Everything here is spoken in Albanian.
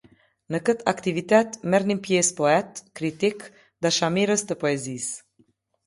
Në këtë aktivitet merrnin pjesë poetë, kritikë, dashamirës të poezisë.